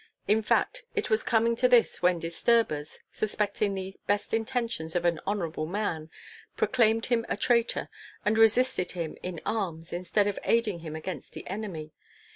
In fact, it was coming to this when disturbers, suspecting the best intentions of an honorable man, proclaimed him a traitor, and resisted him in arms instead of aiding him against the enemy.